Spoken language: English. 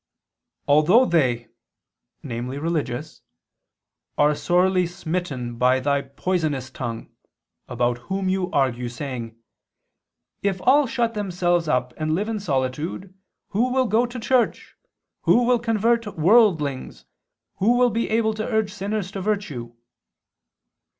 "Although they," namely religious, "are sorely smitten by thy poisonous tongue, about whom you argue, saying; 'If all shut themselves up and live in solitude, who will go to church? who will convert worldlings? who will be able to urge sinners to virtue?'